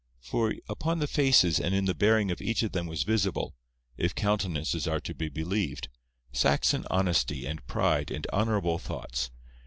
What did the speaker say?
For upon the faces and in the bearing of each of them was visible (if countenances are to be believed) Saxon honesty and pride and honourable thoughts.